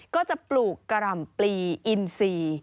ก็จะปลูกกะหล่ำปลีอินซี